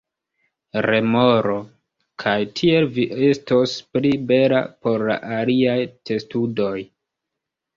Remoro: "Kaj tiel vi estos pli bela por la aliaj testudoj."